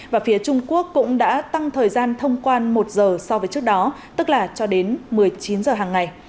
và phía trung quốc cũng đã tăng thời gian thông quan một giờ so với trước đó tức là cho đến một mươi chín giờ hàng ngày